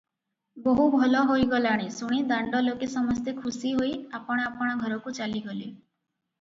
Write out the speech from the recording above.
ବୋହୂ ଭଲ ହୋଇଗଲାଣି ଶୁଣି ଦାଣ୍ଡଲୋକେ ସମସ୍ତେ ଖୁସି ହୋଇ ଆପଣା ଆପଣା ଘରକୁ ଚାଲିଗଲେ ।